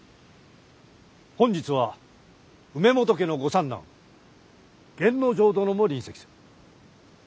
本日は梅本家の御三男源之丞殿も臨席する。